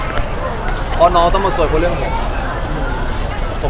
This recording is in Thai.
เพราะน้องต้องมาสวยกว่าเรื่องผม